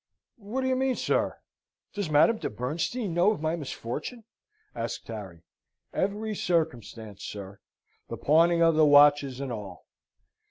"What do you mean, sir? Does Madame de Bernstein know of my misfortune?" asked Harry. "Every circumstance, sir; the pawning the watches, and all."